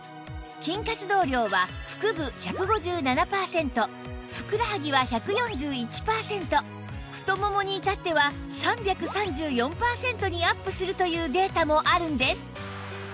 筋活動量は腹部１５７パーセントふくらはぎは１４１パーセント太ももに至っては３３４パーセントにアップするというデータもあるんです